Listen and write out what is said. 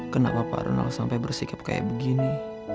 kenapa pak ronald sampai bersikap kayak begini